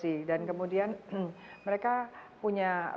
sedangkan mereka yang berpikir